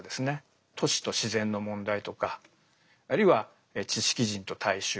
都市と自然の問題とかあるいは知識人と大衆。